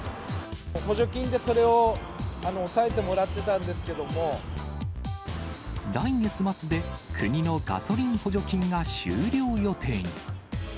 補助金でそれを抑えてもらっ来月末で、国のガソリン補助金が終了予定に。